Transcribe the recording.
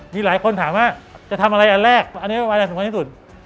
มีหลายคนถามว่าจะทำอะไรอันแรกอันนี้เป็นอะไรสำคัญที่สุด